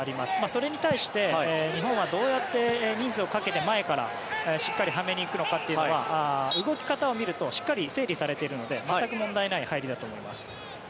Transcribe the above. それに対して日本はどうやって人数をかけて前からしっかりはめに行くのかは動き方を見るとしっかり整理されているので全く問題ない入りだと思います。